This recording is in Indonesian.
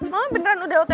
mama beneran udah otv kesini